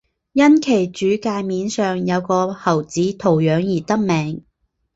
因其主界面上有个猴子图样而得名。